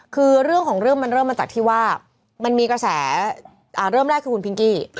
คือเรื่องของเรื่องมันเริ่มมาจากที่ว่ามันมีกระแสเริ่มแรกคือคุณพิงกี้